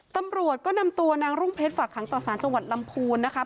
ตำรวจก็นำตัวนางรุ่งเพชรฝากขังต่อสารจังหวัดลำพูนนะคะ